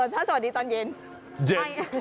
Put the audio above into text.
ถ้าสวัสดีตอนเย็น